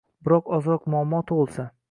Biroq, ozroq muammo tug‘ilsa